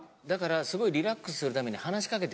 だからすごいリラックスするために。